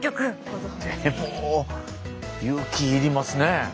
でも勇気要りますねえ。